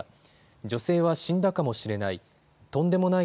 女性は死んだかもしれない。